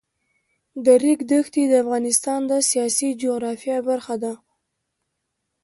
د ریګ دښتې د افغانستان د سیاسي جغرافیه برخه ده.